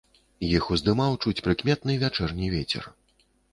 Іх уздзімаў чуць прыкметны вячэрні вецер.